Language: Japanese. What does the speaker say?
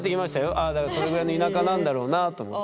ああそのぐらいの田舎なんだろうなって思って。